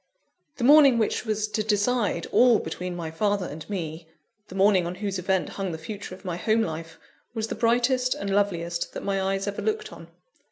The morning which was to decide all between my father and me, the morning on whose event hung the future of my home life, was the brightest and loveliest that my eyes ever looked on.